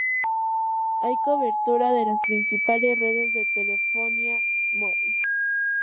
Hay cobertura de las principales redes de telefonía móvil.